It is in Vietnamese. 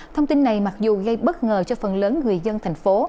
thông tin này mặc dù gây bất ngờ cho phần lớn người dân thành phố